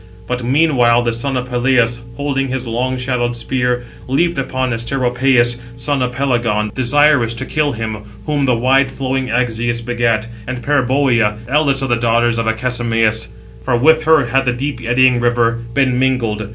But meanwhile the son of Peleus, holding his long shadowed spear, leaped upon Asteropæus, son of Pelegon, desirous to kill him whom the wide flowing Axius begat, and Peribœa, eldest of the daughters of Accessamenus; for with her had the deep eddying river been mingled.